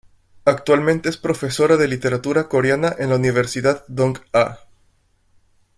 Actualmente es profesora de literatura coreana en la Universidad Dong-a.